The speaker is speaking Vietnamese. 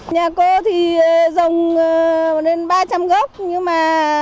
nhà cô thì dùng đến ba trăm linh gốc nhưng mà